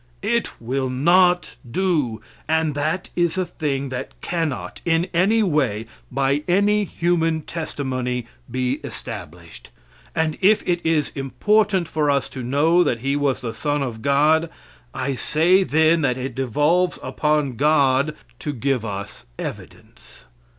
It will not do. And that is a thing that cannot in any way, by any human testimony, be established; and if it is important for us to know that He was the Son of God, I say then that it devolves upon God to give us evidence.